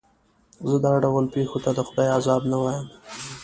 زه دا ډول پېښو ته د خدای عذاب نه وایم.